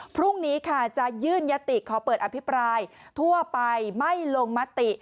พรุ่งนี้ค่ะจะยื่นยติขอเปิดอภิปรายทั่วไปไม่ลงมติ